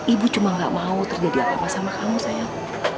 ibu cuma gak mau terjadi apa apa sama kamu sayang